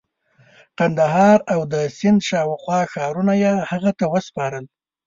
قندهار او د سند شاوخوا ښارونه یې هغه ته وسپارل.